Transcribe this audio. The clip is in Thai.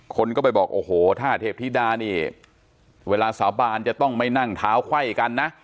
คนก็ไปบอกโอ้โหท่าเทพธิดานี่เวลาสาบานจะต้องไม่นั่งเท้าไขว้กันนะ